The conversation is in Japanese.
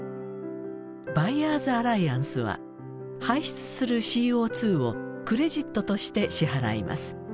バイヤーズアライアンスは排出するＣＯをクレジットとして支払います。